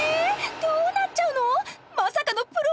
どうなっちゃうの！？